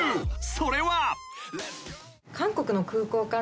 それは］